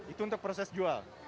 itu untuk proses jual